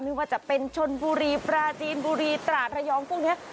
ไม่ว่าจะเป็นชนบุรีปราจีนบุรีตราดระยองพวกนี้